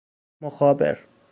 مخابر